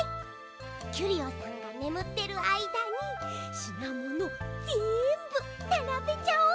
キュリオさんがねむってるあいだにしなものぜんぶならべちゃおう。